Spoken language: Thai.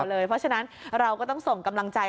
เพราะฉะนั้นเราก็ต้องส่งกำลังใจ